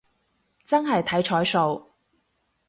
真係睇彩數